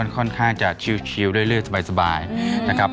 ค่อนข้างจะชิวเรื่อยสบายนะครับ